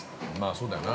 ◆そうだよな。